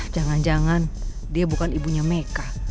jangan jangan dia bukan ibunya meka